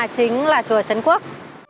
chính là chùa trấn quốc